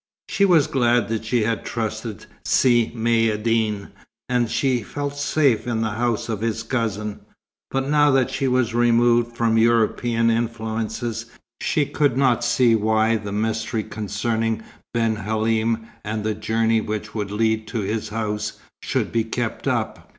She was glad that she had trusted Si Maïeddine, and she felt safe in the house of his cousin; but now that she was removed from European influences, she could not see why the mystery concerning Ben Halim and the journey which would lead to his house, should be kept up.